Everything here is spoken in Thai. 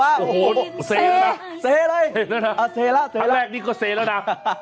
โอ้โหเสเสเลยเสแล้วนะครั้งแรกนี้ก็เสแล้วนะ